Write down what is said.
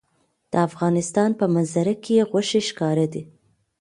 د افغانستان په منظره کې غوښې ښکاره ده.